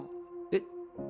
えっ？